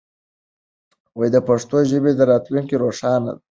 د پښتو ژبې راتلونکی روښانه دی.